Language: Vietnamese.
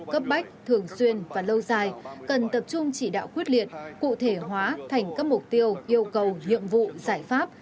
cấp bách thường xuyên và lâu dài cần tập trung chỉ đạo quyết liệt cụ thể hóa thành các mục tiêu yêu cầu nhiệm vụ giải pháp